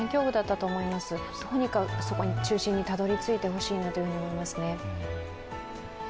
とにかく中心にたどり着いてほしいと思いますね。